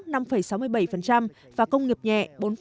tỷ lệ lao động brazil còn mất sáu mươi bảy và công nghiệp nhẹ bốn hai mươi ba